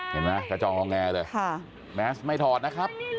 เห็นไหมกระจ้องของแอร์ด้วยแมสไม่ถอดนะครับ